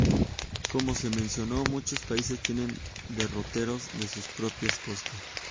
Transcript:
Como se mencionó, muchos países tienen derroteros de sus propias costas.